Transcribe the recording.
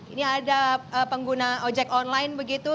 ini ada pengguna ojek online begitu